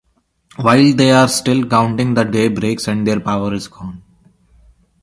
While they are still counting, the day breaks and their power is gone.